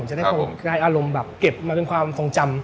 จะได้อารมณ์แบบเก็บมาเป็นความทรงจำ